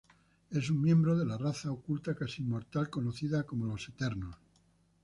Es un miembro de la raza oculta casi inmortal conocida como los Eternos.